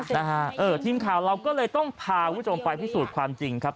นะฮะเออทีมข่าวเราก็เลยต้องพาคุณผู้ชมไปพิสูจน์ความจริงครับ